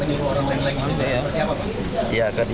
menyibuk orang lain lagi